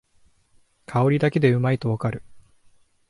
香りだけでうまいとわかる